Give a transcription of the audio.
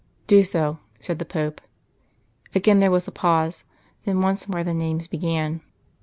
'" "Do so," said the Pope. Again there was a pause. Then once more the names began.